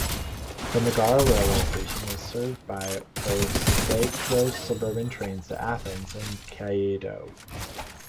The Megara railway station is served by Proastiakos suburban trains to Athens and Kiato.